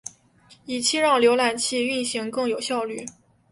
以期让浏览器运行更有效率。